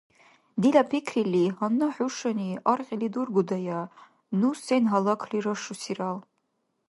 Дила пикрили, гьанна хӀушани аргъили дургудая, ну сен гьалакли рашусирал.